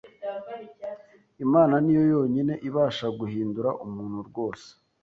Imana ni yo yonyine ibasha guhindura umuntu rwose.